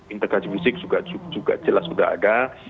integrasi musik juga jelas sudah ada